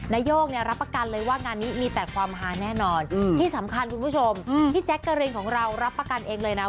นายกเนี่ยรับประกันเลยว่างานนี้มีแต่ความฮาแน่นอนที่สำคัญคุณผู้ชมพี่แจ๊กกะรินของเรารับประกันเองเลยนะ